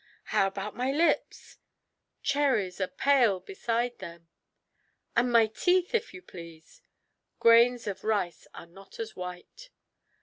"How about my lips?" "Cherries are pale beside them." "And my teeth, if you please?" "Grains of rice are not as white."